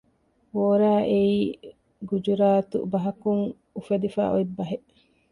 ވޯރާ އެއީ ގުޖުރާތު ބަހަކުން އުފެދިފައި އޮތް ބަހެއް